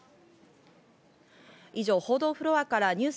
以上、報道フロアからニュー